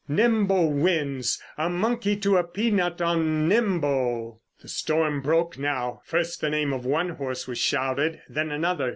"Nimbo wins! A monkey to a pea nut on Nimbo!" The storm broke now. First the name of one horse was shouted, then another.